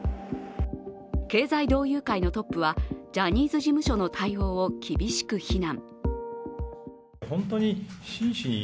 経済同友会のトップはジャニーズ事務所の対応を厳しく非難。